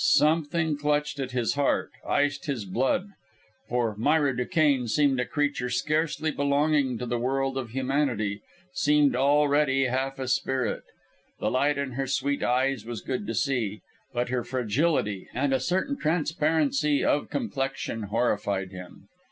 Something clutched at his heart, iced his blood; for Myra Duquesne seemed a creature scarcely belonging to the world of humanity seemed already half a spirit. The light in her sweet eyes was good to see; but her fragility, and a certain transparency of complexion, horrified him.